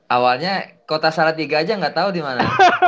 awalnya kota salatiga aja nggak tau dimana